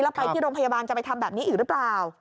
แล้วไปที่โรงพยาบาลจะไปทำแบบนี้อีกหรือเปล่า